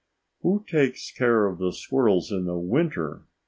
_] "Who takes care of the squirrels in the winter?"